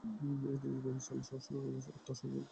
এই নির্দেশ মেনে চলার অর্থ অসম্মানিত হওয়া।